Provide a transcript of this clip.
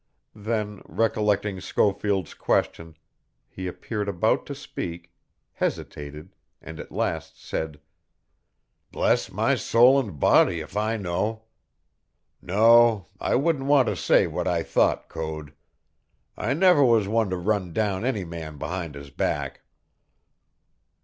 Then, recollecting Schofield's question, he appeared about to speak, hesitated, and at last said: "Bless my soul and body if I know! No, I wouldn't want to say what I thought, Code. I never was one to run down any man behind his back!"